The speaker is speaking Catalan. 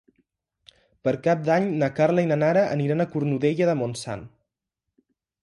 Per Cap d'Any na Carla i na Nara aniran a Cornudella de Montsant.